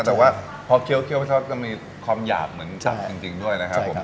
แต่ว่าพอเคี้ยวผสานก็มีความหยาบเหมือนจับจริงด้วยนะครับ